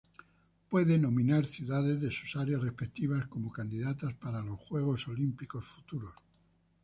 Puede nominar ciudades de sus áreas respectivas como candidatas para Juegos Olímpicos futuros.